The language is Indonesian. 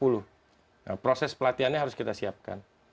nah proses pelatihannya harus kita siapkan